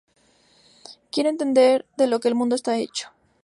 Quiero entender de lo que el mundo está hecho.